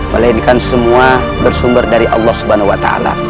melainkan semua bersumber dari allah swt